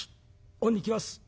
恩に着ます。